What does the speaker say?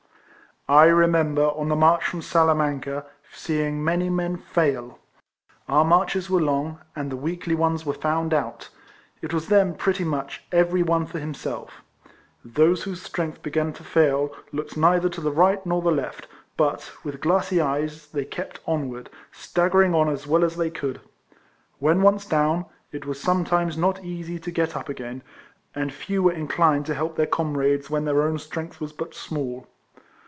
I remember on the march from Salamanca seeing many men fail. Our marches were long, and the weakly ones were found out. It was then pretty much "every one for himself;" those whose strength began to fail looked neither to the right nor the left, but, with glassy eyes, they kept onward, stagger ing on as well as they could. When once down, it was sometimes not easy to get up again, and few were inclined to help their comrades when their own strength was but small.